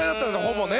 ほぼね。